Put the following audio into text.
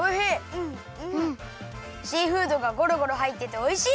シーフードがゴロゴロはいってておいしい！